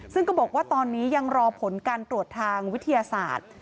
ซึ่งก็บอกว่าตอนนี้ยังรอผลการตรวจทางวิทยาศาสตร์